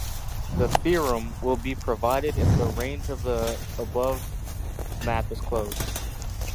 The theorem will be proved if the range of the above map is closed.